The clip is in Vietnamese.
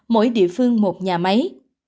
mỗi địa phương một nhà máy